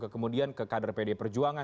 kemudian ke kader pdi perjuangan